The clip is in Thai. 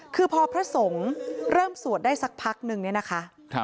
คือพอพระสงฆ์เริ่มสวดได้สักพักนึงเนี่ยนะคะ